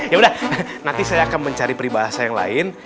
ya udah nanti saya akan mencari peribahasa yang lain